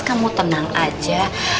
kamu tenang aja